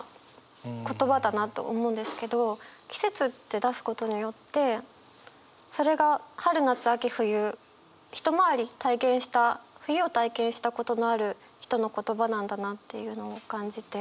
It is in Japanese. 「季節」って出すことによってそれが春夏秋冬一回り体験した冬を体験したことのある人の言葉なんだなっていうのを感じて。